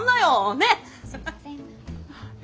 ねえ。